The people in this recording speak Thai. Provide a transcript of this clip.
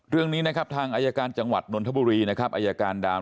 เรื่องนี้นะครับทางอายการจังหวัดนนทบุรีนะครับอายการดาว